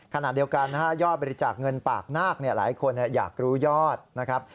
ขณะเดียวกันนะฮะยอดบริจาคเงินปากนาคหลายคนอยากรู้ยอดนะครับ